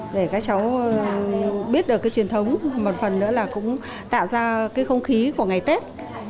để các cháu biết được cái truyền thống một phần nữa là cũng tạo ra cái không khí của ngày tết